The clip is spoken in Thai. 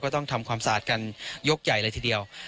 ต้องทำความสะอาดกันยกใหญ่เลยทีเดียว